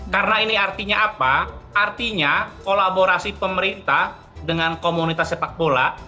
karena ini artinya apa artinya kolaborasi pemerintah dengan komunitas sepak bola